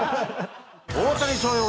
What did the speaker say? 大谷翔平